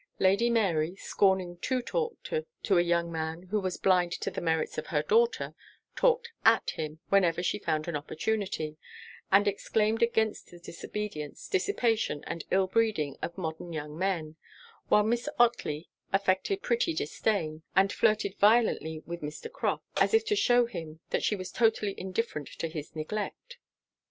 Lady Mary, scorning to talk to a young man who was blind to the merits of her daughter, talked at him whenever she found an opportunity; and exclaimed against the disobedience, dissipation, and ill breeding of modern young men: while Miss Otley affected a pretty disdain; and flirted violently with Mr. Crofts, as if to shew him that she was totally indifferent to his neglect.